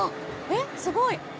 えっすごい！